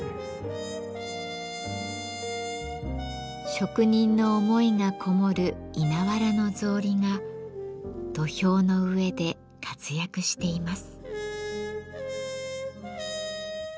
職人の思いがこもる稲わらの草履が土俵の上で活躍しています。